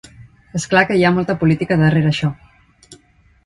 És clar que hi ha molta política darrere això.